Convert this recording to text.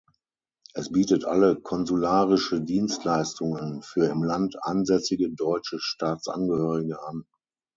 Es bietet alle konsularische Dienstleistungen für im Land ansässige deutsche Staatsangehörige an.